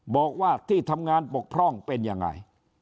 บอกว่าที่ทำงานปกพร่องเป็นยังไง